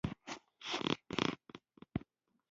پراخه ساحه تکه توره ښکارېدله.